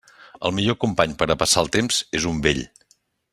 El millor company per a passar el temps és un vell.